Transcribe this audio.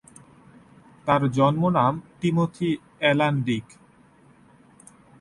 তার জন্মনাম Timothy Alan ডিক।